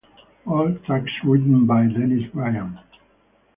All tracks written by Denis Bryant.